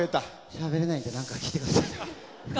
しゃべれないんで何か聞いてください。